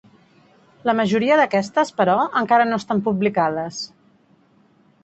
La majoria d'aquestes però, encara no estan publicades.